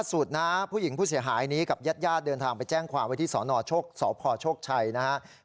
สุดนะผู้หญิงผู้เสียหายนี้กับญาติญาติเดินทางไปแจ้งความไว้ที่สนสพโชคชัยนะครับ